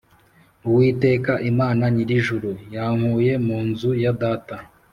Uwiteka Imana nyir’ijuru yankuye mu nzu ya data